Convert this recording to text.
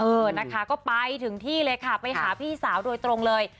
เออนะคะก็ไปถึงที่เลยค่ะไปหาพี่สาวโดยตรงเลย